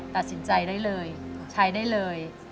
ตัดสินใจได้เลยใช้ได้เลย